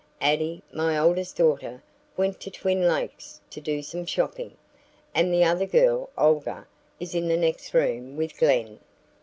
Addie, my oldest daughter, went to Twin Lakes to do some shopping, and the other girl, Olga, is in the next room with Glen."